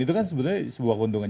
itu kan sebenarnya sebuah keuntungan